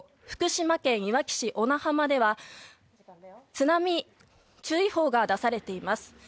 福島県いわき市小名浜では津波注意報が出されています。